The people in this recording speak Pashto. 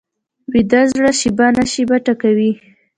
ویده زړه شېبه نا شېبه ټکوي